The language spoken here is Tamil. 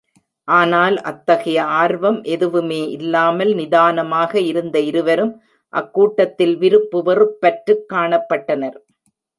ஆனால் அத்தகைய ஆர்வம் எதுவுமே இல்லாமல் நிதானமாக இருந்த இருவரும் அக்கூட்டத்தில் விருப்பு வெறுப்பற்றுக் காணப்பட்டனர்.